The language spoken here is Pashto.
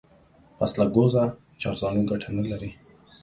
پسله گوزه چارزانو گټه نه لري.